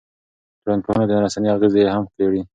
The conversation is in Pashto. ټولنپوهنه د رسنیو اغېزې هم څېړي.